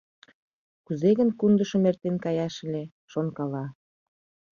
Кузе гын Кундышым эртен каяш ыле, шонкала.